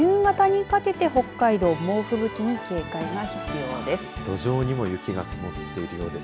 このあと夕方にかけて北海道猛吹雪に警戒が必要です。